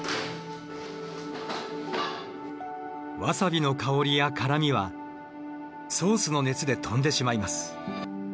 ワサビの香りや辛みはソースの熱で飛んでしまいます。